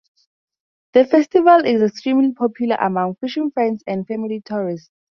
The festival is extremely popular among fishing fans and family tourists.